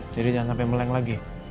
jadi jangan sampai meleng lagi